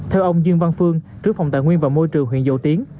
theo ông duyên văn phương trưởng phòng tài nguyên và môi trường huyện dầu tiến